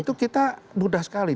itu kita mudah sekali